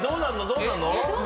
どうなんの？